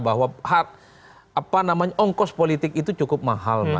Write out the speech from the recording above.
bahwa ongkos politik itu cukup mahal